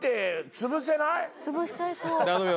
つぶしちゃいそう。